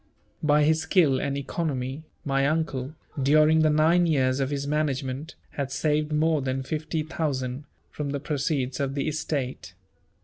By his skill and economy, my Uncle, during the nine years of his management, had saved more than 50,000*l.* from the proceeds of the estate.